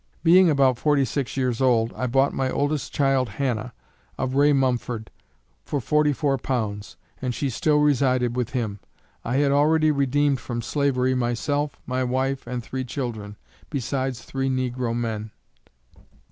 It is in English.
Being about forty six years old, I bought my oldest child Hannah, of Ray Mumford, for forty four pounds, and she still resided with him. I had already redeemed from slavery, myself, my wife and three children, besides three negro men.